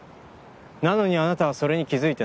なのにあなたはそれに気付いてない。